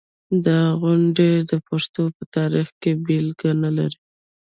دا غونډ د پښتو په تاریخ کې بېلګه نلري.